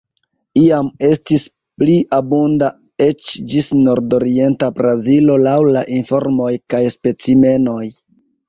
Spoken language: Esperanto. Iam estis pli abunda eĉ ĝis nordorienta Brazilo laŭ la informoj kaj specimenoj.